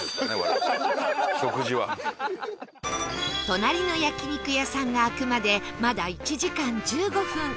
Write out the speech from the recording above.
隣の焼肉屋さんが開くまでまだ１時間１５分